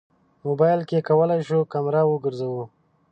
موبایل کې کولی شو کمره وګرځوو.